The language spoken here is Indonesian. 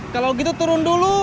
kalau gitu turun dulu